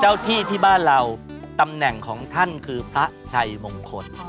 ที่ที่บ้านเราตำแหน่งของท่านคือพระชัยมงคล